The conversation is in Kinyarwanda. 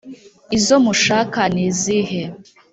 izo mushaka ni izihe’